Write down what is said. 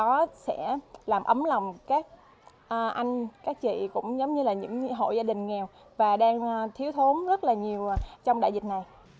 tôi tin rằng là đó sẽ làm ấm lòng các anh các chị cũng giống như là những hội gia đình nghèo và đang thiếu thốn rất là nhiều trong đại dịch này